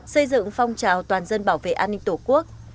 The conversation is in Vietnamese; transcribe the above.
xây dựng phong trào toàn dân bảo vệ an ninh tổ quốc